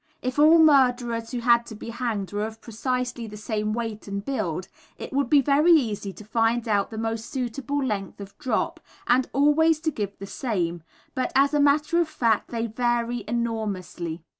If all murderers who have to be hanged were of precisely the same weight and build it would be very easy to find out the most suitable length of drop, and always to give the same, but as a matter of fact they vary enormously.